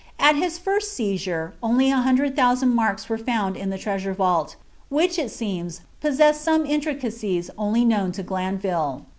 At his first seizure, only IP04N marks were found in the treasure vault, which, it seems, posaeaaed MM intricacies only known lo Glanville.'